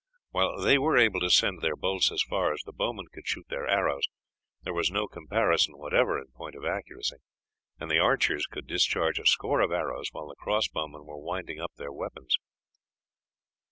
While they were able to send their bolts as far as the bowmen could shoot their arrows, there was no comparison whatever in point of accuracy, and the archers could discharge a score of arrows while the cross bowmen were winding up their weapons.